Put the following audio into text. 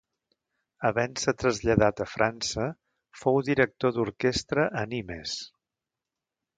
Havent-se traslladat a França, fou director d'orquestra a Nimes.